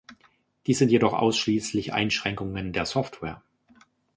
Dies sind jedoch ausschließlich Einschränkungen der Software.